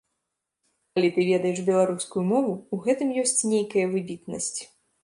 Калі ты ведаеш беларускую мову, у гэтым ёсць нейкая выбітнасць.